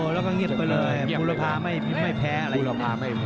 แล้วก็เงียบไปเลยภูระภาไม่แพ้อะไรอย่างนี้